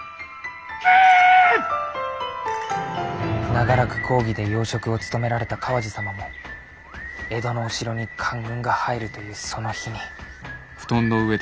長らく公儀で要職を務められた川路様も江戸の御城に官軍が入るというその日に。